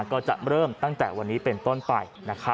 ก็จะเริ่มตั้งแต่วันนี้เป็นต้นไป